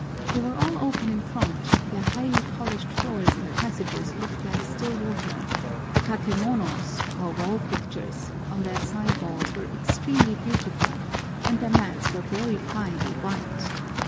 They were all open in front; their highly polished floors and passages looked like still water; the kakemonos, or wall pictures, on their side walls were extremely beautiful; and their mats were very fine and white.